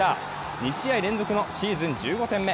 ２試合連続のシーズン１５点目。